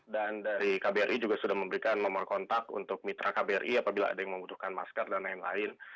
dan dari kbri juga sudah memberikan nomor kontak untuk mitra kbri apabila ada yang membutuhkan masker dan lain lain